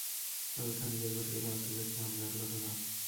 তবে শনিবার ঘটে গেল আত্মঘাতী হামলার ঘটনা।